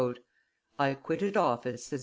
"I quitted office," says M.